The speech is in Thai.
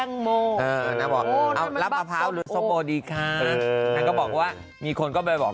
เน้นบอกรับมะพร้าวหรือส้มโอริะครับ